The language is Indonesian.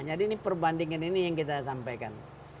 jadi ini perbandingan ini yang kita sampaikan